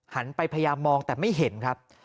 หันไปพยายามมองแต่ไม่เห็นครับ